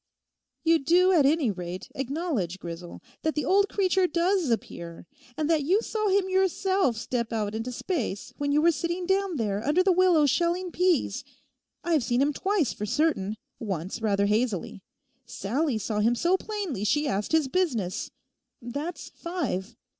'You do at any rate acknowledge, Grisel, that the old creature does appear, and that you saw him yourself step out into space when you were sitting down there under the willow shelling peas. I've seen him twice for certain, once rather hazily; Sallie saw him so plainly she asked his business: that's five.